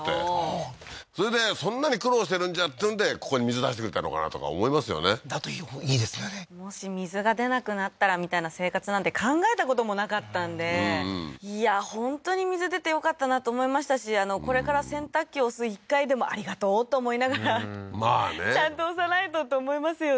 あそれでそんなに苦労してるんじゃっつうんでここに水出してくれたのかなとか思いますよねだといいですよねもし水が出なくなったらみたいな生活なんて考えたこともなかったんでうんうんいや本当に水出てよかったなと思いましたしこれから洗濯機押す１回でもありがとうと思いながらうんまあねちゃんと押さないとって思いますよね